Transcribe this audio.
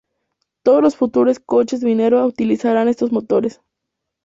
Todos los futuros coches Minerva utilizarían estos motores.